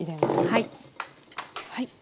はい。